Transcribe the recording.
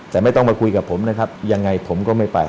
แต่ไม่ต้องมาคุยกับผมนะครับยังไงผมก็ไม่ไป